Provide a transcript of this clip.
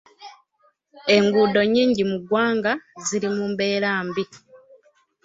Enguudo nnyingi mu ggwanga ziri mu mbeera mbi.